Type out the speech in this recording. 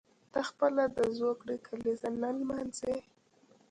ته خپله د زوکړې کلیزه نه لمانځي.